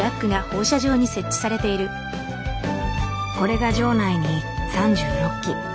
これが場内に３６基。